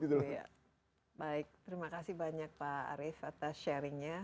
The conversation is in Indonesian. baik terima kasih banyak pak arief atas sharingnya